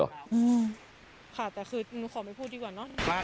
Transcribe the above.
ค่ะแต่คือหนูขอไม่พูดดีกว่าเนอะ